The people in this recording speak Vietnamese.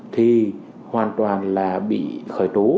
thì hoàn toàn là bị khởi tố